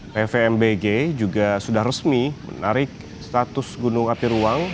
pvmbg juga sudah resmi menarik status gunung api ruang